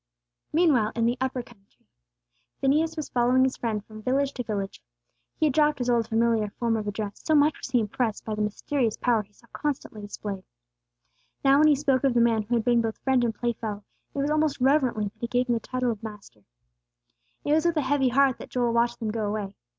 Meanwhile in the upper country, Phineas was following his friend from village to village. He had dropped his old familiar form of address, so much was he impressed by the mysterious power he saw constantly displayed. Now when he spoke of the man who had been both friend and playfellow, it was almost reverently that he gave Him the title of Master. It was with a heavy heart that Joel watched them go away.